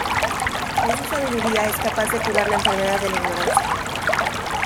Con su sabiduría es capaz de curar la enfermedad de la ignorancia.